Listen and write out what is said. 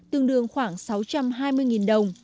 tương đương khoảng sáu trăm hai mươi đồng